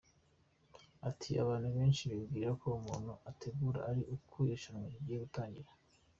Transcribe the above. Ati “Abantu benshi bibwira ko umuntu ategura ari uko irushanwa rigiye gutangira.